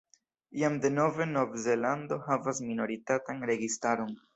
Jam denove Nov-Zelando havas minoritatan registaron.